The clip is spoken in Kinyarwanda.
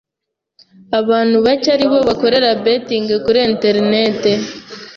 abantu bacye ari bo bakorera 'betting' kuri Internet.